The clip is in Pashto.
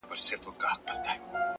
وخت د ژوند د پانګې نوم دی!.